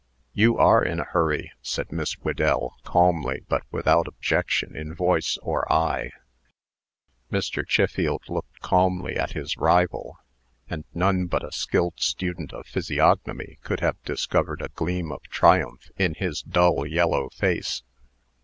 "You are in a hurry," said Miss Whedell, calmly, but without objection in voice or eye. Mr. Chiffield looked calmly at his rival; and none but a skilled student of physiognomy could have discovered a gleam of triumph in his dull, yellow face.